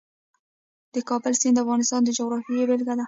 د کابل سیند د افغانستان د جغرافیې بېلګه ده.